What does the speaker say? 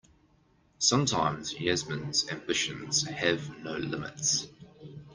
Sometimes Yasmin's ambitions have no limits.